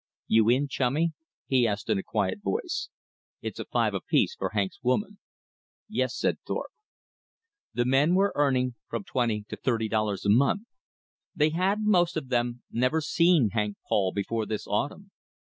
"You in, chummy?" he asked in a quiet voice. "It's a five apiece for Hank's woman." "Yes," said Thorpe. The men were earning from twenty to thirty dollars a month. They had, most of them, never seen Hank Paul before this autumn.